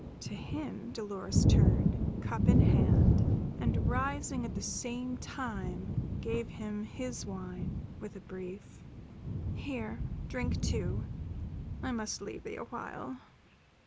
To him Dolores turned, cup in hand, and rising at the same time gave him his wine with a brief: "Here, drink, too. I must leave thee a while."